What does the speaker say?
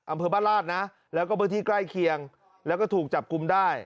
อำเภอบ้านราชนะแล้วก็พื้นที่ใกล้เคียงแล้วก็ถูกจับกลุ่มได้